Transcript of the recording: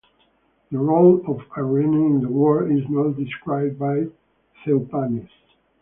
The role of Irene in the war is not described by Theophanes.